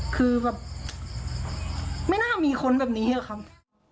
คือแบบไม่น่ามีคนแบบนี้อะครับ